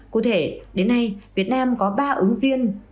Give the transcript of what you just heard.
cụ thể đến nay việt nam có ba ứng viên